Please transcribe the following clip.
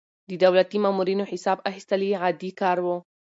د دولتي مامورينو حساب اخيستل يې عادي کار و.